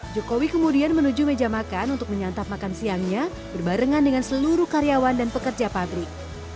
jokowi kemudian menuju meja makan untuk menyantap makan siangnya berbarengan dengan seluruh karyawan dan pekerja pabrik